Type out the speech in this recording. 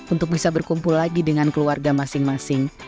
untuk bisa berkumpul lagi dengan keluarga masing masing